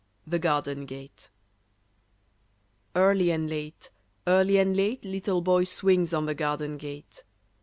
THE GARDEN GATE Early and late, early and late, Little Boy swings on the garden gate.